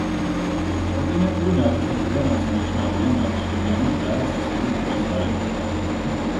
კონტინენტური ნალექებიდან აღსანიშნავია ნახშირიანი და წითელი ფერის ნალექები.